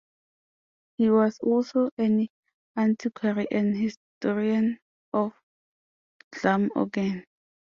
He was also an antiquary and historian of Glamorgan.